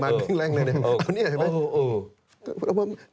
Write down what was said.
มาแม่งแปลงเลยเอาเนี่ยเหรอ